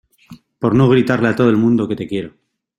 por no gritarle a todo el mundo que te quiero